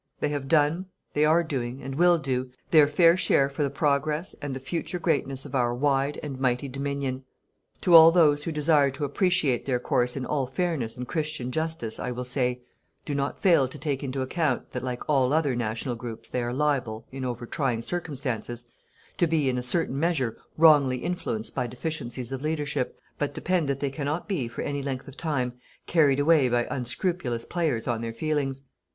They have done, they are doing, and will do, their fair share for the progress and the future greatness of our wide and mighty Dominion. To all those who desire to appreciate their course in all fairness and Christian Justice, I will say: do not fail to take into account that like all other national groups they are liable, in overtrying circumstances, to be in a certain measure wrongly influenced by deficiencies of leadership, but depend that they cannot be, for any length of time, carried away by unscrupulous players on their feelings.